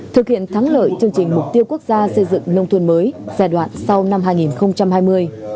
thực hiện thắng lợi chương trình mục tiêu quốc gia xây dựng nông thôn mới giai đoạn sau năm hai nghìn hai mươi